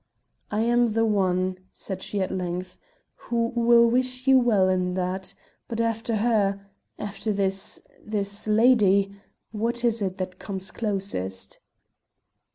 "I am the one," said she at length, "who will wish you well in that; but after her after this this lady what is it that comes closest?"